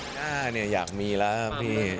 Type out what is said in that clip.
พี่จ้าอยากมีแล้วครับพี่